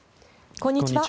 こんにちは。